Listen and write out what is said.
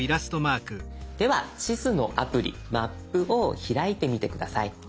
では地図のアプリ「マップ」を開いてみて下さい。